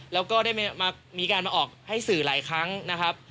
แล้วก็ได้มีการมาออกให้สื่อหลายครั้งนะครับ